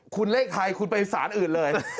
คุณเลขไทยคุณไปสารอื่นเลย